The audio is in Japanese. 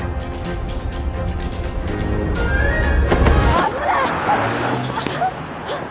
危ない！